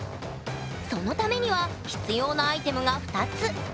そのためには必要なアイテムが２つ。